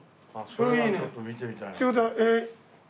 それはちょっと見てみたいな。